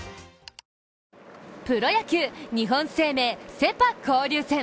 プロ野球、日本生命セ・パ交流戦。